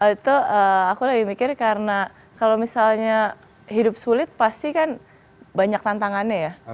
itu aku lagi mikir karena kalau misalnya hidup sulit pasti kan banyak tantangannya ya